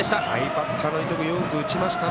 バッターの伊藤君よく打ちましたね。